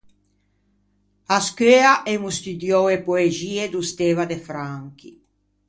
À scheua emmo studiou e poexie do Steva De Franchi.